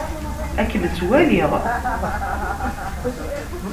Ad kem-tt-walliɣ.